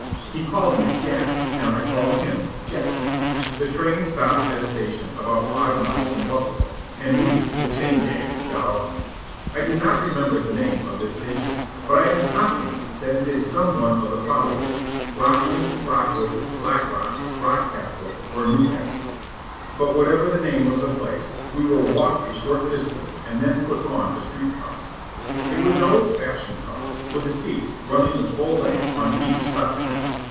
He called me "Jack," and I called him "Jack." The train stopped at a station about five miles from Buffalo, and we, the chain gang, got off. I do not remember the name of this station, but I am confident that it is some one of the following: Rocklyn, Rockwood, Black Rock, Rockcastle, or Newcastle. But whatever the name of the place, we were walked a short distance and then put on a street car. It was an old fashioned car, with a seat, running the full length, on each side.